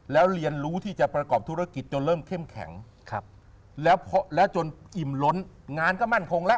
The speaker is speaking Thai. แล้วเรียนรู้ที่จะประกอบธุรกิจจนเริ่มเข้มแข็งแล้วแล้วจนอิ่มล้นงานก็มั่นคงแล้ว